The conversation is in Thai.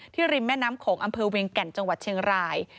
ริมแม่น้ำโขงอำเภอเวียงแก่นจังหวัดเชียงราย